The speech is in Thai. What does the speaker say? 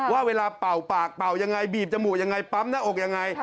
ว่าเวลาเป่าปากเป่ายังไงบีบจมูกยังไงปั๊มหน้าอกยังไง